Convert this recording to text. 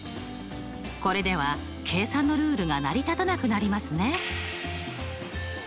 これでは計算のルールが成り立たなくなりますね。